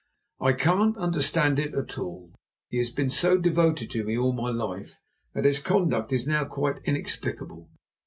"I can't understand it at all. He has been so devoted to me all my life that his conduct now is quite inexplicable.